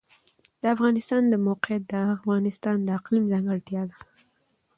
د افغانستان د موقعیت د افغانستان د اقلیم ځانګړتیا ده.